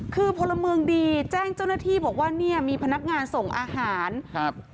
คือพลเมืองดีแจ้งเจ้าหน้าที่บอกว่าเนี่ยมีพนักงานส่งอาหารครับ